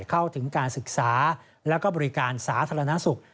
เข้าถึงการศึกษาแล้วก็บริการสาธารณสุข